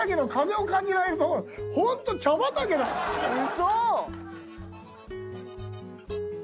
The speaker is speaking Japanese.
「嘘！」